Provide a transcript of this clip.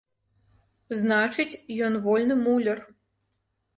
Значыць, ён вольны муляр.